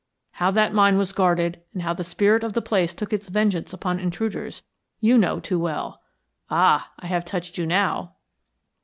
How that mine was guarded and how the spirit of the place took its vengeance upon intruders, you know too well. Ah, I have touched you now."